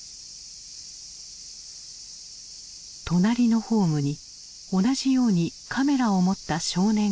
隣のホームに同じようにカメラを持った少年がいた。